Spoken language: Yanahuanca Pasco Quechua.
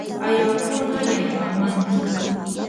aywakurqa yarpaamankim.